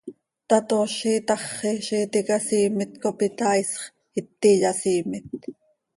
tatoozi itaxi, ziix iti icasiimet cop itaaisx, iti yasiimet.